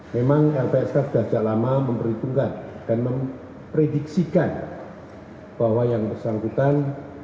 memang lpsk sudah sejak lama memperhitungkan dan memprediksikan bahwa yang bersangkutan